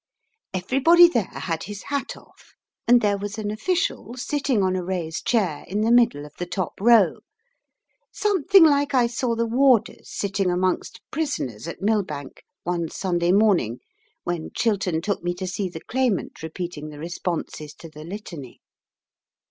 Everybody there had his hat off, and there was an official sitting on a raised chair in the middle of the top row, something like I saw the warders sitting amongst prisoners at Millbank one Sunday morning when Chiltern took me to see the Claimant repeating the responses to the Litany.